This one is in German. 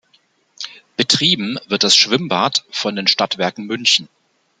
Betrieben wird das Schwimmbad von den Stadtwerken München.